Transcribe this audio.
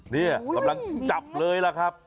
นี่กำลังจับเลยล่ะครับ